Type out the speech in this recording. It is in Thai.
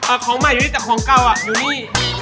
ของใหม่อยู่นี่แต่ของเก่าอ่ะอยู่นี่